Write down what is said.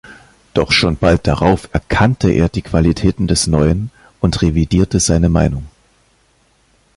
Doch schon bald darauf erkannte er die Qualitäten des Neuen und revidierte seine Meinung.